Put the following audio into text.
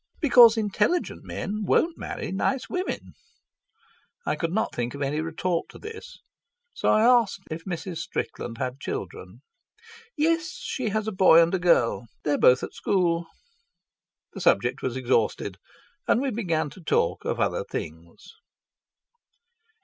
"Because intelligent men won't marry nice women." I could not think of any retort to this, so I asked if Mrs. Strickland had children. "Yes; she has a boy and a girl. They're both at school." The subject was exhausted, and we began to talk of other things.